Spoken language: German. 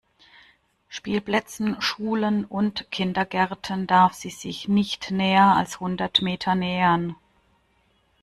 Spielplätzen, Schulen und Kindergärten darf sie sich nicht näher als hundert Meter nähern.